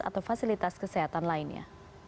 atau fasilitas kesehatan lainnya